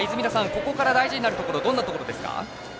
ここから大事になるところどんなところですか。